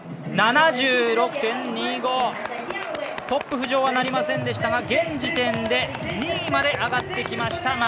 トップ浮上はなりませんでしたが現時点で２位まで上がってきました。